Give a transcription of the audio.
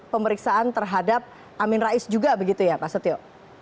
pemeriksaan terhadap amin rais juga begitu ya pak setio